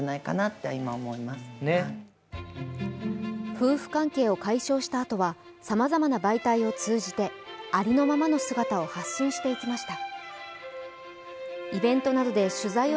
夫婦関係を解消したあとはさまざまな媒体を通じてありのままの姿を発信していきました。